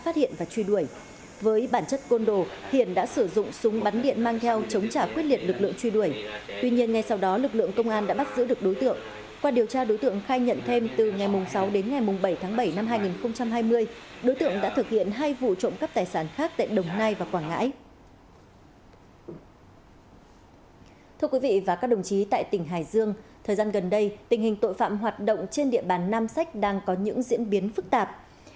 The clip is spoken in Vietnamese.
thưa quý vị và các đồng chí tại tỉnh hải dương thời gian gần đây tình hình tội phạm hoạt động trên địa bàn nam sách đang có những diễn biến phức tạp